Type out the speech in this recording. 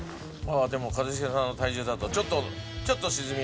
でも一茂さんの体重だとちょっと沈みますね